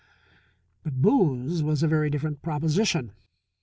But booze was a very different proposition.